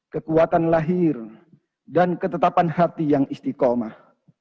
kekuatan lahir dan ketetapan hati yang istiqomah